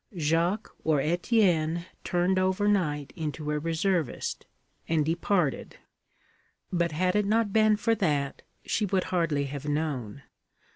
Jacques or Étienne turned over night into a reservist, and departed; but had it not been for that, she would hardly have known.